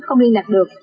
không liên lạc được